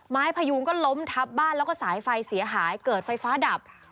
พยูงก็ล้มทับบ้านแล้วก็สายไฟเสียหายเกิดไฟฟ้าดับ